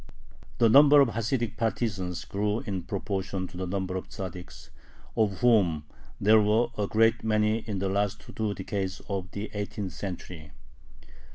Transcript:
The number of Hasidic partisans grew in proportion to the number of Tzaddiks, of whom there were a great many in the last two decades of the eighteenth century.